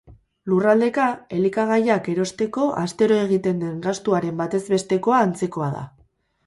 Lurraldeka, elikagaiak erosteko astero egiten den gastuaren batez bestekoa antzekoa da.